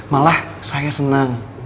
malah saya senang